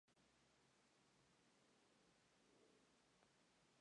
Es miembro del Consorcio Internacional de Periodistas de Investigación.